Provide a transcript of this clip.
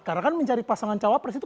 karena kan mencari pasangan cawapres itu